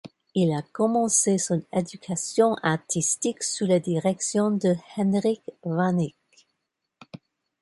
Il a commencé son éducation artistique sous la direction de Henryk Waniek.